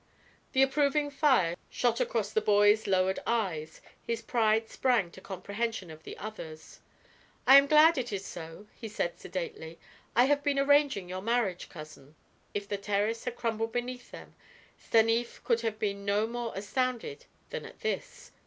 The approving fire shot across the boy's lowered eyes, his pride sprang to comprehension of the other's. "I am glad it is so," he said sedately. "I have been arranging your marriage, cousin." If the terrace had crumbled beneath them, Stanief could have been no more astounded than at this.